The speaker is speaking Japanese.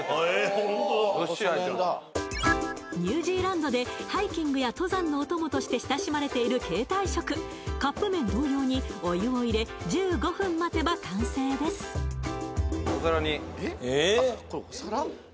ホントだニュージーランドでハイキングや登山のお供として親しまれている携帯食カップ麺同様にお湯を入れ１５分待てば完成ですお皿に・これお皿？